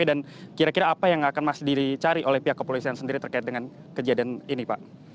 dan kira kira apa yang akan mas diricari oleh pihak kepolisian sendiri terkait dengan kejadian ini pak